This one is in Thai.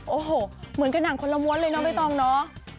โอ้โหเหมือนกับหนังคนละมวลเลยเนอะไม่ต้องเนอะ